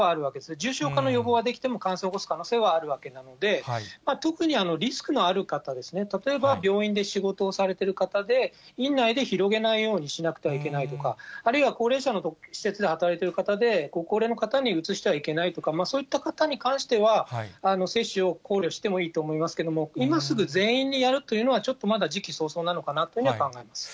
重症化の予防はできても、感染を起こす可能性はあるわけなので、特にリスクのある方、例えば病院で仕事をされてる方で、院内で広げないようにしなくてはいけないとか、あるいは高齢者の施設で働いている方で、ご高齢の方にうつしてはいけないとか、そういった方に関しては、接種を考慮してもいいと思いますけれども、今すぐ、全員にやるというのは、ちょっとまだ時期尚早なのかなというふうには考えます。